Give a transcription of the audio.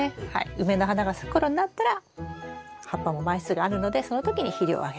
梅の花が咲く頃になったら葉っぱも枚数があるのでその時に肥料をあげる。